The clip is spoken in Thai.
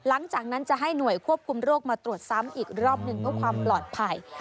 หลังจากนั้นจะให้หน่วยควบคุมโรคมาตรวจซ้ำอีกรอบหนึ่งเพื่อความปลอดภัย